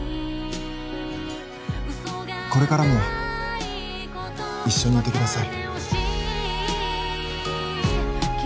これからも一緒にいてください